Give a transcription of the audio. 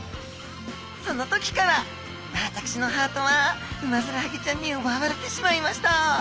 その時から私のハートはウマヅラハギちゃんにうばわれてしまいました。